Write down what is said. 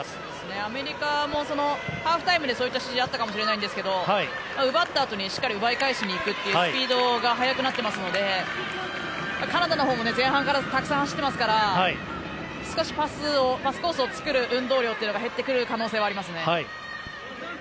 アメリカもハーフタイムでそういった指示あったかもしれないんですが奪ったあとに、しっかり奪い返しにいくスピードが速くなっていますのでカナダのほうも前半からたくさん走ってますから少しパスコースを作る運動量が減ってくる可能性はありますね。